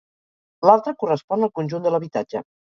L'altra correspon al conjunt de l'habitatge.